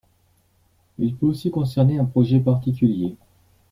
Il peut aussi concerner un projet particulier.